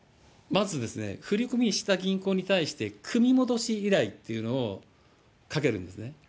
まずですね、振り込みした銀行に対して組み戻し依頼というのをかけるんですね。